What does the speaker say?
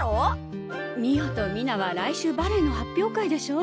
美音と美奈は来週バレエの発表会でしょ。